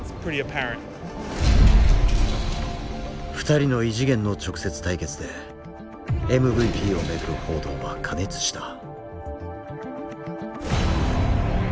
２人の異次元の直接対決でＭＶＰを巡る報道は過熱した。